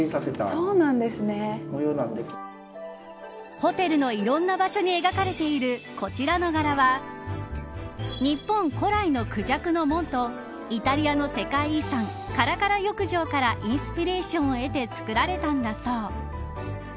ホテルのいろんな場所に描かれているこちらの柄は日本古来のクジャクの紋とイタリアの世界遺産カラカラ浴場からインスピレーションを得て作られたんだそう。